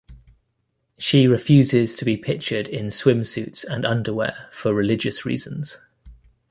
She refuses to be pictured in swimsuits and underwear for religious reasons.